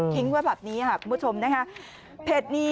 ทิ้งไว้แบบนี้คุณผู้ชมนะคะ